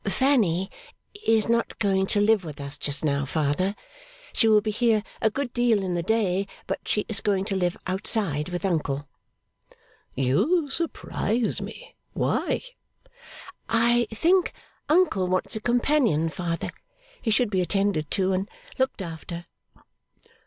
'Fanny is not going to live with us just now, father. She will be here a good deal in the day, but she is going to live outside with uncle.' 'You surprise me. Why?' 'I think uncle wants a companion, father. He should be attended to, and looked after.